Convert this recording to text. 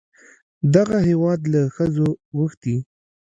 دغه هېواد له ښځو غوښتي